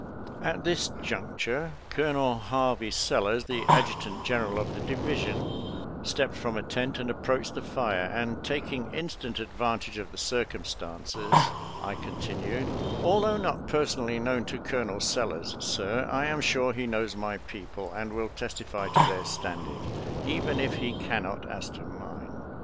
At this juncture Colonel Harvey Sel lers, the adjutant general of the division, stepped FORAGING FOR HOG MEAT 157 from a tent and approached the fire, and, taking instant advantage of the circumstances, I con tinued, " Although not personally known to Colo nel Sellers, sir, I am sure he knows my people and will testify to their standing, even if he cannot as to mine."